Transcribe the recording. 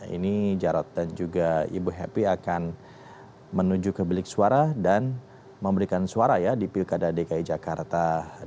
ini jarod dan juga ibu happy akan menuju ke bilik suara dan memberikan suara ya di pilkada dki jakarta dua ribu delapan belas